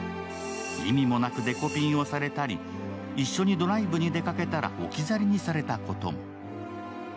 意味もなくデコピンをされたり、一緒にドライブに出かけたら置き去りにされたことも。